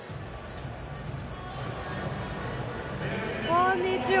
こんにちは！